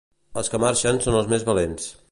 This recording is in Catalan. Els que marxen són els més valents.